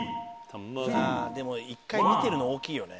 でも１回見てるの大きいよね。